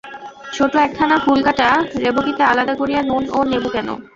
ছোট একখানা ফুলকাটা রেকবিতে আলাদা করিয়া নুন ও নেবু কেন?